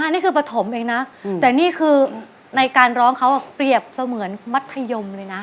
นี่คือปฐมเองนะแต่นี่คือในการร้องเขาเปรียบเสมือนมัธยมเลยนะ